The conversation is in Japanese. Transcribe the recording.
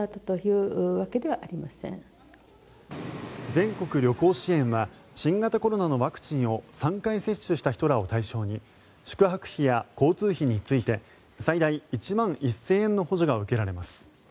全国旅行支援は新型コロナのワクチンを３回接種した人らを対象に宿泊費や交通費について最大１万１０００円の補助が受けられます。